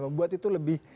membuat itu lebih